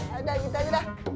udah gitu aja dah